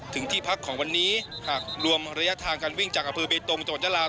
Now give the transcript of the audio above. ถึงที่พักของวันนี้รวมระยะทางการวิ่งจากอาภิเบย์ตรงตลอดจะลา